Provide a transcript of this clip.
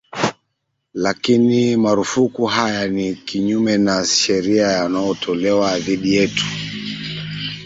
lakini marufuku haya ni kinyume ya sheria yanatolewa dhidi yetu